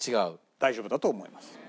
大丈夫だと思います。